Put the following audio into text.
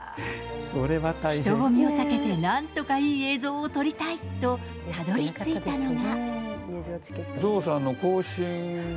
人混みを避けてなんとかいい映像を撮りたいとたどりついたのが。